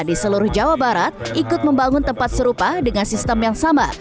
di seluruh jawa barat ikut membangun tempat serupa dengan sistem yang sama